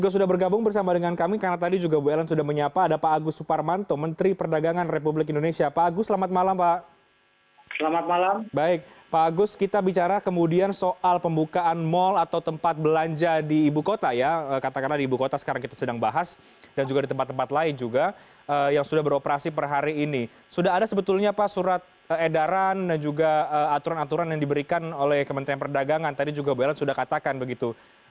sebetulnya pak surat edaran dan juga aturan aturan yang diberikan oleh kementerian perdagangan tadi juga bu ellen sudah katakan begitu